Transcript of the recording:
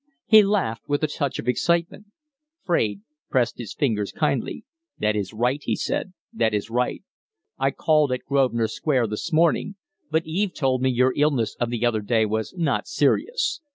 He laughed with a touch of excitement, Fraide pressed his fingers kindly, "That is right," he said. "That is right. I called at Grosvenor Square this morning, but Eve told me your illness of the other day was not serious.